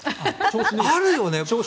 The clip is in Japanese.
あるよね。